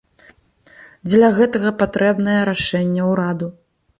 Дзеля гэтага патрэбнае рашэнне ўраду.